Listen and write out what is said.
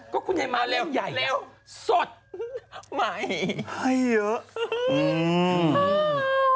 ก็คุณให้มาเร็วเร็วสดใหม่ให้เยอะ